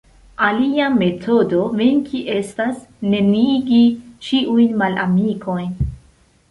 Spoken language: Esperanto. Alia metodo venki estas neniigi ĉiujn malamikojn.